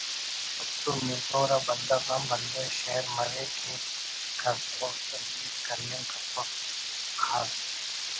تو نزور آ بندغ ہم ہندن شیر مریک کہ کس اوڑتون ہیت کننگ کپک (خاص